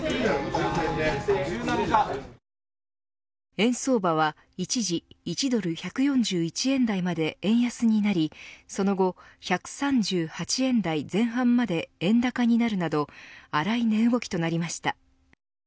円相場は一時１ドル１４１円台まで円安になりその後１３８円台前半まで円高になるなど荒い値動きとなりました。